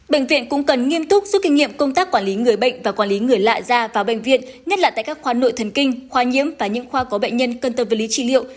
bệnh viện cũng cần nghiêm túc giúp kinh nghiệm công tác quản lý người bệnh và quản lý người lạ ra vào bệnh viện nhất là tại các khoa nội thần kinh khoa nhiễm và những khoa có bệnh nhân cần tâm với lý trị liệu